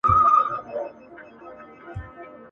په خپله خر نه لري د بل پر آس خاندي !.